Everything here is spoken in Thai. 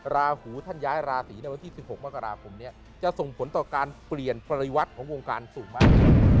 ราหูท่านย้ายราศีในวันที่๑๖มกราคมนี้จะส่งผลต่อการเปลี่ยนปริวัติของวงการสูงมาก